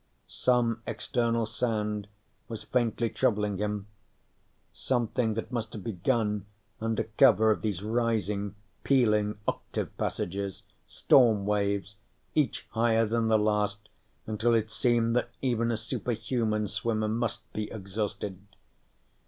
Some external sound was faintly troubling him, something that must have begun under cover of these rising, pealing octave passages storm waves, each higher than the last, until it seemed that even a superhuman swimmer must be exhausted.